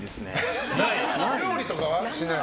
料理とかはしない？